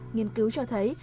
nghiên cứu cho thấy